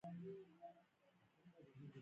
بیا د مرغانو سندرې د نوې ورځې پیل اعلانوي